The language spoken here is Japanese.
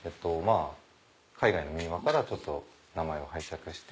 海外の民話から名前を拝借して。